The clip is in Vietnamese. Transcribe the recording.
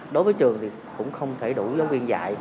đối với trường thì cũng không thể đủ giáo viên dạy